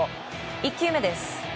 １球目です。